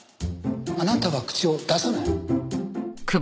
あなたは口を出さない。